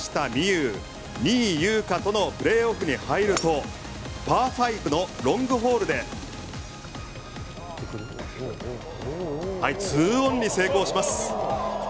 有、仁井優花とのプレーオフに入るとパー５のロングホールで２オンに成功します。